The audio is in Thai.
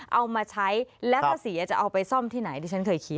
เอามาใช้แล้วถ้าเสียจะเอาไปซ่อมที่ไหนดิฉันเคยคิด